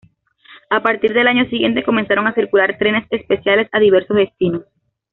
A partir del año siguiente comenzaron a circular trenes especiales a diversos destinos.